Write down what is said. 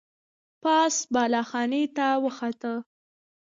پاس بالا خانې ته وخوته.